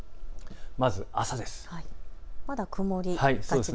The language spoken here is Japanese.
まず朝です。